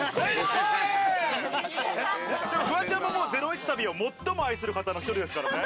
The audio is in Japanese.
フワちゃんもゼロイチ旅を最も愛する方の１人ですからね。